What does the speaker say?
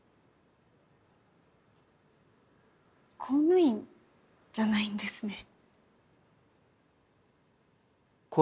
公務員じゃないんですね。